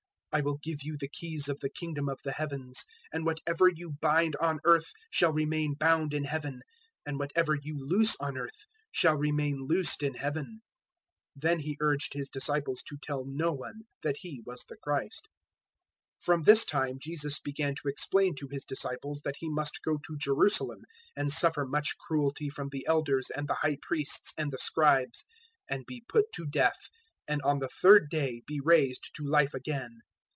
016:019 I will give you the keys of the Kingdom of the Heavens; and whatever you bind on earth shall remain bound in Heaven, and whatever you loose on earth shall remain loosed in Heaven." 016:020 Then He urged His disciples to tell no one that He was the Christ. 016:021 From this time Jesus began to explain to His disciples that He must go to Jerusalem, and suffer much cruelty from the Elders and the High Priests and the Scribes, and be put to death, and on the third day be raised to life again.